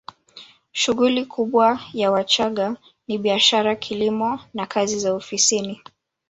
Shughuli kubwa ya Wachagga ni biashara kilimo na kazi za ofisini